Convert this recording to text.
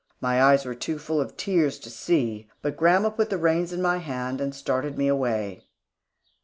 My eyes were too full of tears to see, but grandma put the reins in my hand and started me away.